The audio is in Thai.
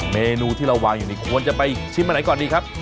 เมนูที่เราวางอยู่นี่ควรจะไปชิมอันไหนก่อนดีครับ